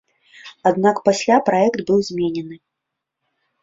Аднак пасля праект быў зменены.